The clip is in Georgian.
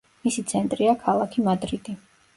მისი ცენტრია ქალაქი მადრიდი.